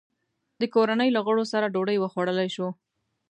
د کورنۍ له غړو سره ډوډۍ وخوړلای شو.